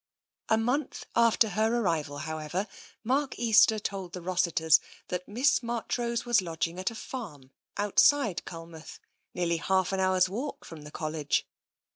A month after her arrival, however, Mark Easter told the Rossiters that Miss Marchrose was lodging at a farm outside Culmouth, nearly half an hour's walk from the College.